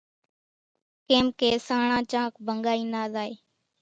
ڪيمڪي سانڻان چانڪ ڀنڳائي نا زائي